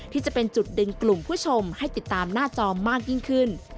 ที่จะเป็นจุดเด่นกลุ่มผู้ชมให้ติดตามหน้าจอมากยิ่งขึ้น